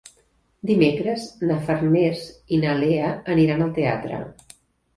Dimecres na Farners i na Lea aniran al teatre.